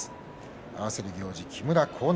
合わせる行司、木村晃之